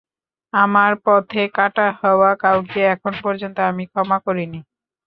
আমার পথে কাঁটা হওয়া কাউকে এখন পর্যন্ত আমি ক্ষমা করিনি।